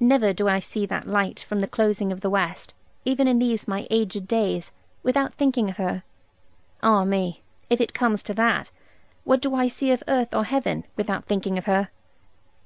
Never do I see that light from the closing of the west, even in these my aged days, without thinking of her. Ah me, if it comes to that, what do I see of earth or heaven, without thinking of her?